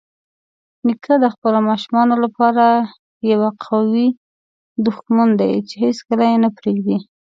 نیکه د خپلو ماشومانو لپاره یوه قوي دښمن دی چې هیڅکله یې نه پرېږدي.